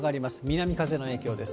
南風の影響です。